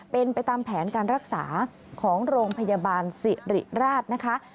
เป็นไปตามแผนการรักษาของโรงพยาบาลสิริราชนะคะ